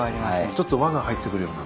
ちょっと和が入ってくるような。